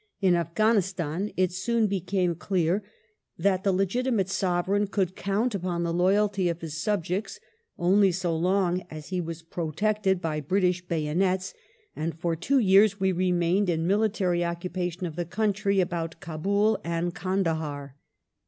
In Afghanistan it soon became clear that the legitimate Sovereign could count upon the loyalty of his subjects only so long as he was protected by British bayonets, and for two years we remained in military occupation of the country about Kabul and Kandahar.